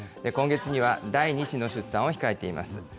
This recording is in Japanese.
今月には第２子の出産を控えています。